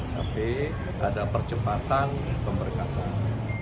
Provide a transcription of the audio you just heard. tapi ada percepatan pemberkasan